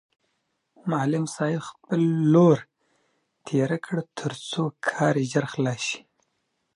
معلم صاحب خپل لور تېره کړ ترڅو کار یې ژر خلاص شي.